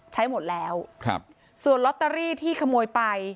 ใช้หมดแล้วครับส่วนลอตเตอรี่ที่ขโมยไป